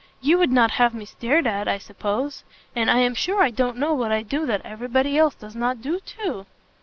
You would not have me stared at, I suppose; and I am sure I don't know what I do that every body else does not do too."